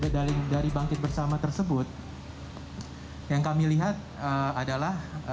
dari bangkit bersama tersebut yang kami lihat adalah